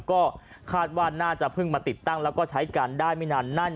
ก็คาดว่าน่าจะเพิ่งมาติดตั้งแล้วก็ใช้กันได้ไม่นานนั่น